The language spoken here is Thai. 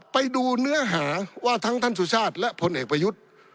ไปดูเนื้อหาว่าทั้งท่านสุชาติและพลเอกประยุทธ์